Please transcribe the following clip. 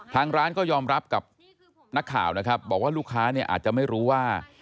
ทางร้านก็ยอมรับกับนักข่าวนะครับบอกว่าลูกค้าเนี่ยอาจจะไม่รู้ว่า